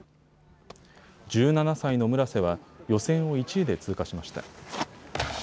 １７歳の村瀬は予選を１位で通過しました。